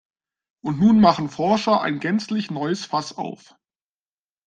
Und nun machen Forscher ein gänzlich neues Fass auf.